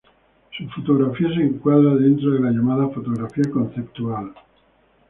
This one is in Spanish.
Su fotografía se encuadra dentro de la llamada, "fotografía conceptual".